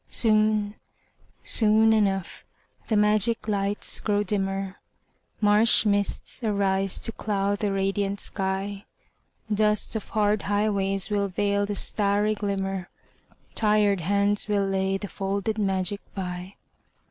Soon, soon enough the magic lights grow dimmer, Marsh mists arise to cloud the radiant sky, Dust of hard highways will veil the starry glimmer, Tired hands will lay the folded magic by.